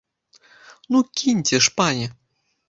Ну, кіньце ж, пане!